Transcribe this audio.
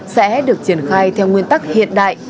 sẽ được triển khai theo nguyên tắc hiện đại